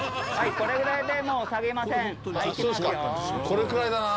これくらいだなぁ。